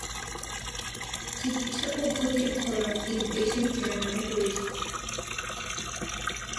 চিকিৎসা পদ্ধতির ধরন "ইন-পেশেন্ট কেয়ার" নামে পরিচিত।